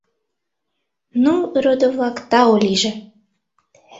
Ну, родо-влак, тау лийже!